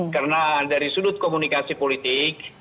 karena dari sudut komunikasi politik